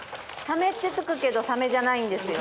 サメってつくけどサメじゃないんですよ。